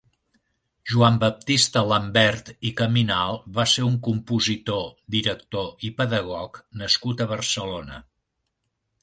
Joan Baptista Lambert i Caminal va ser un compositor, director i pedagog nascut a Barcelona.